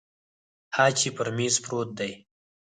ها چې پر میز پروت دی